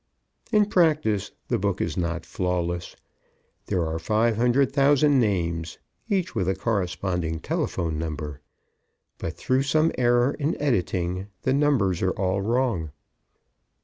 In practice, the book is not flawless. There are five hundred thousand names, each with a corresponding telephone number. But, through some error in editing, the numbers are all wrong.